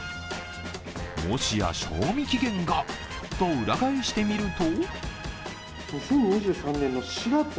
もしや賞味期限がと裏返してみると。